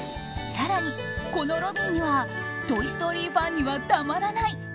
更にこのロビーには「トイ・ストーリー」ファンにはたまらない